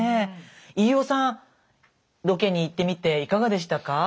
飯尾さんロケに行ってみていかかでしたか？